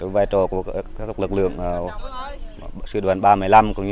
vai trò của các lực lượng sư đoàn ba trăm một mươi năm